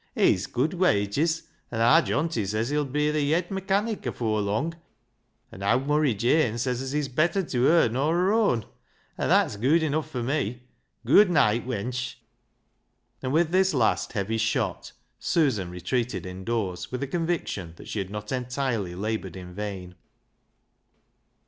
" He's gooid wages, an' aar Johnty says as he'll be th' yed mechanic afoor lung, and owd Murry Jane says as he's better tew her nor her own. An' that's gooid enuff fur me. Gooid neet, wench," and, with this last heavy shot, Susan retreated indoors, with a conviction that she had not entirely laboured in vain.